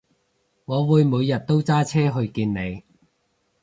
我會每日都揸車去見你